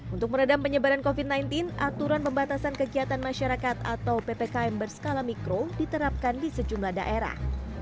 untuk meredam penyebaran covid sembilan belas aturan pembatasan kegiatan masyarakat atau ppkm berskala mikro diterapkan di sejumlah daerah